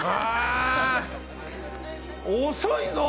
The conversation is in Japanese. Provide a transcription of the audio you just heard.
遅いぞ！